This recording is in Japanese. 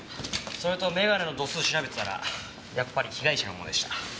それと眼鏡の度数調べてたらやっぱり被害者のものでした。